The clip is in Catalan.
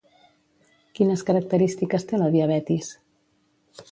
Quines característiques té la diabetis?